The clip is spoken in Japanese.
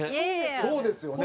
そうですよね。